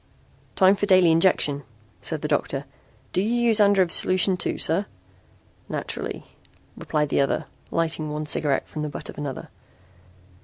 "Time for daily injection," said the doctor. "Do you use Andrev's solution too, sir?" "Naturally," replied the other, lighting one cigarette from the butt of another.